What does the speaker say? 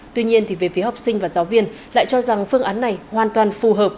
tuy nhiên về phía học sinh và giáo viên lại cho rằng phương án này hoàn toàn phù hợp